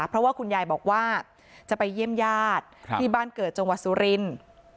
เพราะว่าคุณยายบอกว่าจะไปเยี่ยมญาติที่บ้านเกิดจังหวัดสุรินทร์